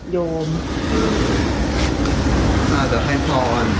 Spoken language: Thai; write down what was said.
โยมอ่าเดี๋ยวให้พร